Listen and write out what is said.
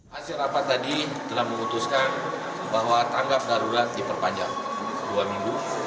hasil rapat tadi telah memutuskan bahwa tanggap darurat diperpanjang dua minggu